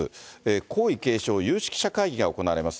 皇位継承有識者会議が行われます。